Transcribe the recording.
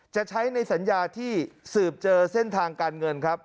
จะใช้ในสัญญาที่สืบเจอเส้นทางการเงินครับ